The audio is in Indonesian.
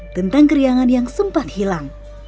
tentang keriangan yang sempat hilang